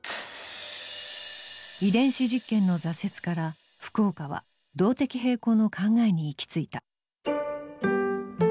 遺伝子実験の挫折から福岡は動的平衡の考えに行き着いた。